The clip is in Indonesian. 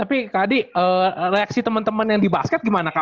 tapi kadi reaksi temen temen yang di basket gimana kak